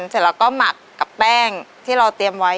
เสร็จแล้วก็หมักกับแป้งที่เราเตรียมไว้